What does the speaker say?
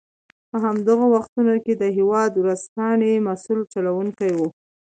په همدغو وختونو کې د هېواد ورځپاڼې مسوول چلوونکی و.